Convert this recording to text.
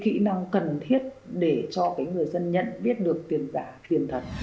chúng ta cũng cần thiết để cho người dân nhận biết được tiền giả tiền thật